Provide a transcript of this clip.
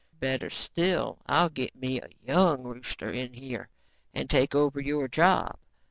"Better still, I'll get me a young rooster in here and take over your job."